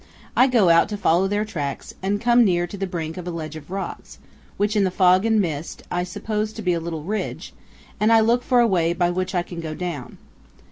I go out to follow their tracks, and come near to the brink of a ledge of rocks, which, in the fog and mist, I suppose to be a little ridge, and I look for a way by which I can go down.